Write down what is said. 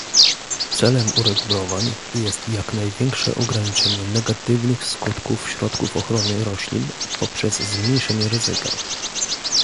Celem uregulowań jest jak największe ograniczenie negatywnych skutków środków ochrony roślin poprzez zmniejszenie ryzyka